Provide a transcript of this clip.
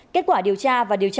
kết quả điều tra và điều trị là